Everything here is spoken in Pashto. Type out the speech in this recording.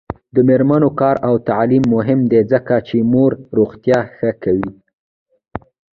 د میرمنو کار او تعلیم مهم دی ځکه چې مور روغتیا ښه کوي.